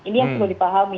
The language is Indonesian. ini yang perlu dipahami